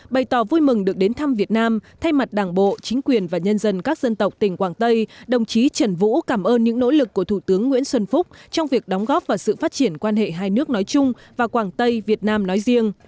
bày tỏ vui mừng được đến thăm việt nam thay mặt đảng bộ chính quyền và nhân dân các dân tộc tỉnh quảng tây đồng chí trần vũ cảm ơn những nỗ lực của thủ tướng nguyễn xuân phúc trong việc đóng góp vào sự phát triển quan hệ hai nước nói chung và quảng tây việt nam nói riêng